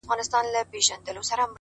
زړه په پیوند دی ـ